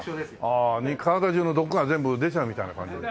ああ体中の毒が全部出ちゃうみたいな感じ。